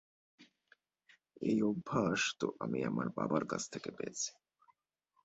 এই অভ্যাস তো আমি আমার বাবার থেকে পেয়েছি।